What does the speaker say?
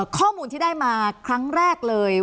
ข้อมูลที่ได้มาครั้งแรกเลย